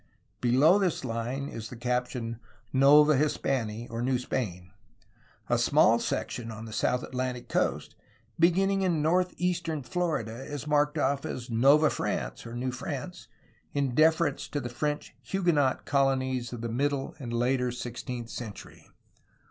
Below this line is the caption "Nova Hispanie'' (New Spain). A small section on the south Atlantic coast, beginning in northeastern Florida, is marked off as "Nova France" (New France), in deference to the French Huguenot colonies of the middle and later sixteenth century.